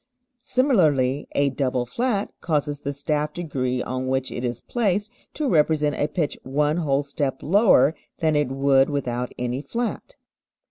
Similarly, a double flat causes the staff degree on which it is placed to represent a pitch one whole step lower than it would without any flat.